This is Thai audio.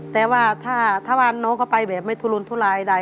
แต่ว่าถ้าว่าน้องเขาไปแบบไม่ทุลุนทุรายใด